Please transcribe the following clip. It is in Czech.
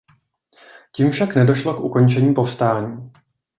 Tím však nedošlo k ukončení povstání.